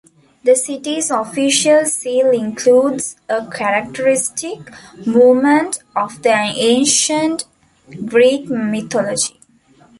The city's official seal includes a characteristic moment of the ancient Greek mythology.